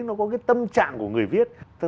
nó có cái tâm trạng của người viết